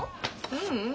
ううん。